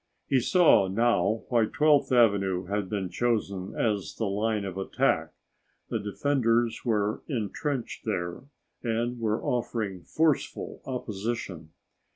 He saw now why 12th Avenue had been chosen as the line of attack: the defenders were intrenched there and were offering forceful opposition.